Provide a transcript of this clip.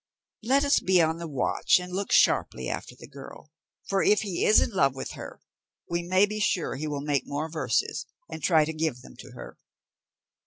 Let us be on the watch, and look sharply after the girl; for if he is in love with her, we may be sure he will make more verses, and try to give them to her."